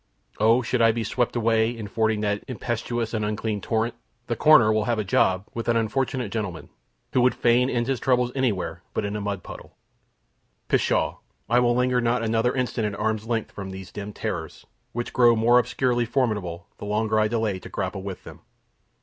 O, should I be swept away in fording that impetuous and unclean torrent, the coroner will have a job with an unfortunate gentleman, who would fain end his troubles anywhere but in a mud puddle! Pshaw! I will linger not another instant at arm's length from these dim terrors, which grow more obscurely formidable, the longer I delay to grapple with them.